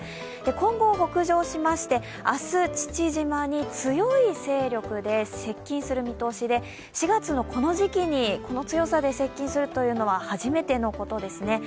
今後、北上しまして、明日、父島に強い勢力で接近する見通しで４月にこの時期にこの強さで接近するのは初めてのことですね。